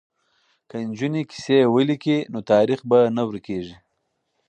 که نجونې کیسې ولیکي نو تاریخ به نه ورکيږي.